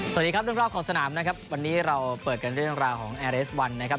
สวัสดีครับเรื่องรอบขอบสนามนะครับวันนี้เราเปิดกันเรื่องราวของแอร์เรสวันนะครับ